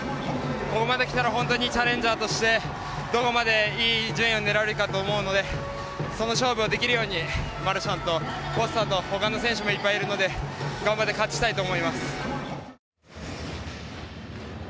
ここまで来たら本当にチャレンジャーとしてどこまでいい順位を狙えるかだと思うのでその勝負ができるようにマルシャンやフォスター他の選手もいっぱいいるので頑張って、勝ちたいと思います。